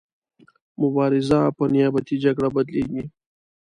مبارزه په نیابتي جګړه بدلیږي.